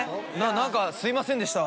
何かすいませんでした。